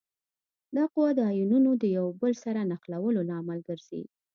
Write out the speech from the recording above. دا قوه د آیونونو د یو له بل سره نښلولو لامل ګرځي.